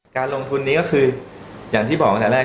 การลงทุนนี้ก็คืออย่างที่บอกตั้งแต่แรก